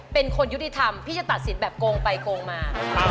เป็นคนยุติธรรมพี่จะตัดสินแบบโกงไปโกงมา